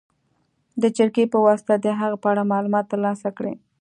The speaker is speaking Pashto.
د جرګې په واسطه د هغې په اړه معلومات تر لاسه کړي.